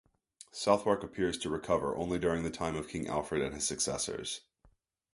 Southwark appears to recover only during the time of King Alfred and his successors.